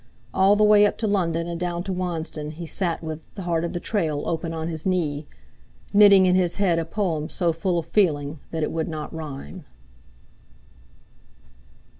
All the way up to London and down to Wansdon he sat with "The Heart of the Trail" open on his knee, knitting in his head a poem so full of feeling that it would not rhyme.